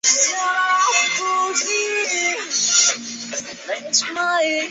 也希望她能参加下一次的活动。